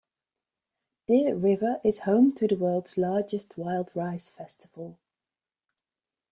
Deer River is home to the world's largest Wild Rice Festival.